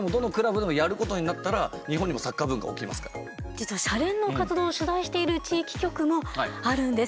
実はシャレン！の活動を取材している地域局もあるんです。